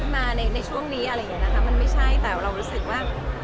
มาในช่วงนี้อะไรอย่างนี้นะคะมันไม่ใช่แต่เรารู้สึกว่า